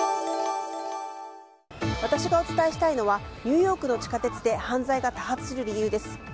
私がお伝えしたいのはニューヨークの地下鉄で犯罪が多発する理由です。